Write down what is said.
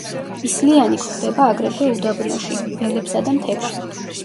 ისლიანი გვხვდება აგრეთვე უდაბნოში, ველებსა და მთებში.